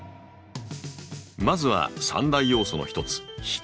まずは３大要素の一つ「光」。